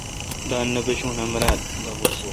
دان نہ پشو میرال۔